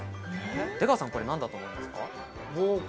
出川さんこれ何だと思いますか？